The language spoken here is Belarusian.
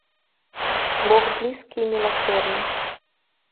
Бог блізкі і міласэрны.